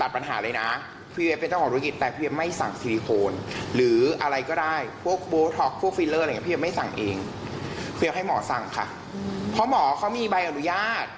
ภาพคือเรื่องของชีวิต